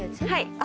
はい。